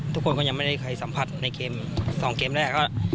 ทุกคนก็ยังไม่ได้ใครสัมผัสในเกม๒เกมแรก